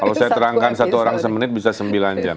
kalau saya terangkan satu orang semenit bisa sembilan jam